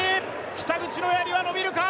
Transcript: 北口のやりはのびるか？